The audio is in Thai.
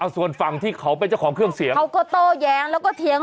ส่วนฝั่งที่เขาเป็นเจ้าของเครื่องเสียงเขาก็โต้แย้งแล้วก็เถียง